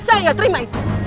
saya gak terima itu